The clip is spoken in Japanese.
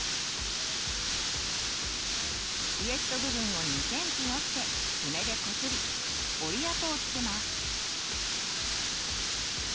ウエスト部分を２ｃｍ折って爪でこすり折り跡を付けます。